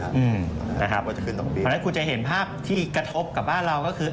เพราะฉะนั้นคุณจะเห็นภาพที่กระทบกับบ้านเราก็คือ